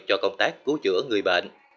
cho công tác cứu chữa người bệnh